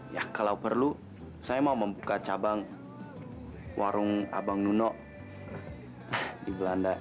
ya kalau perlu saya mau membuka cabang warung abang nunok di belanda